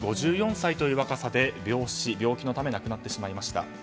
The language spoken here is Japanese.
５４歳という若さで病気のため亡くなってしまいました。